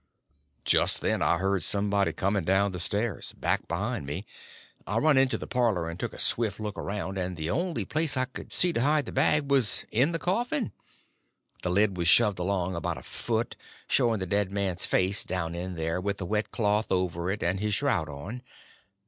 Just then I heard somebody coming down the stairs, back behind me. I run in the parlor and took a swift look around, and the only place I see to hide the bag was in the coffin. The lid was shoved along about a foot, showing the dead man's face down in there, with a wet cloth over it, and his shroud on.